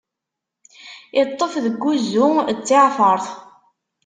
Iṭṭef deg wuzzu d tiɛfeṛt.